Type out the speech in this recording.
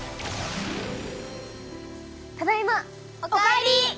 ただいま！お帰り！